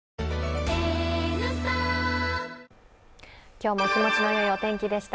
今日も気持ちのよいお天気でした。